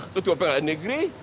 ketua pengadilan negeri